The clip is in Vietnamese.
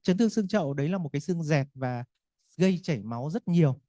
chấn thương xương trậu đấy là một cái xương rẹt và gây chảy máu rất nhiều